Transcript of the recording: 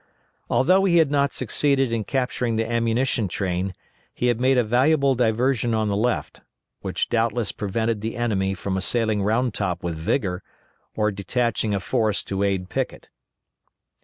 Although he had not succeeded in capturing the ammunition train, he had made a valuable diversion on the left, which doubtless prevented the enemy from assailing Round Top with vigor, or detaching a force to aid Pickett.